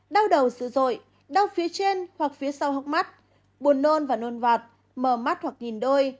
đau đầu sụi đau phía trên hoặc phía sau hốc mắt buồn nôn và nôn vọt mờ mắt hoặc nhìn đôi